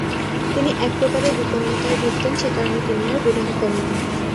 তিনি এক প্রকারের বিপন্নতায় ভুগতেন, সেকারণে তিনি আর বিবাহ করেন নি।